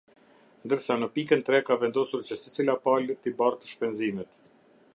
Ndërsa, në pikën tre ka vendosur që secila palë t'i bartë shpenzimet.